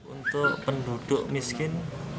untuk penduduk miskin tiga ratus dua puluh enam